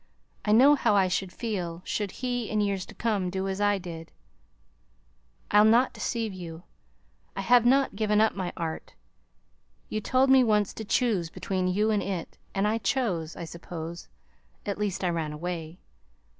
I know how I should feel, should he, in years to come, do as I did. I'll not deceive you I have not given up my art. You told me once to choose between you and it and I chose, I suppose; at least, I ran away.